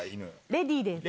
レディーです。